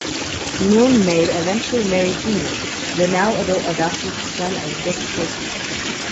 Moon Maid eventually married Junior, the now-adult adopted son of Dick Tracy.